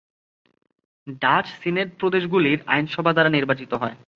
Dutch senate প্রদেশগুলির আইনসভা দ্বারা নির্বাচিত হয়।